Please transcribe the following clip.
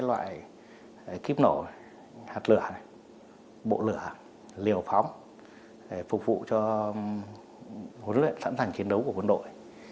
các loại kíp nổ hạt lửa này bộ lửa liều phóng phục vụ cho huấn luyện sẵn sàng chiến đấu của quân đội